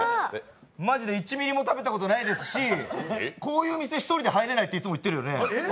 まじで１ミリも食べたことないですし、こういう店、１人で入れないっていつも言ってるよね？